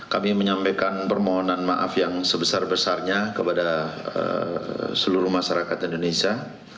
kami menyampaikan permohonan maaf yang sebesar besarnya kepada seluruh masyarakat indonesia